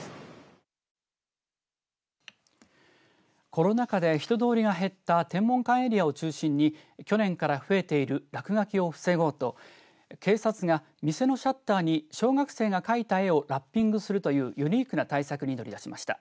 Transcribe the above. コロナ禍で人通りが減った天文館エリアを中心に去年から増えている落書きを防ごうと警察が店のシャッターに小学生が描いた絵をラッピングするというユニークな対策に乗り出しました。